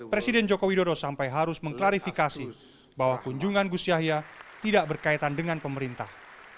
presiden joko widodo sampai harus mengklarifikasi bahwa kunjungan gus yahya tidak berkaitan dengan pemerintah